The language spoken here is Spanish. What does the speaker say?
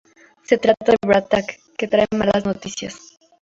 Se trata de Bra'tac, que trae malas noticias.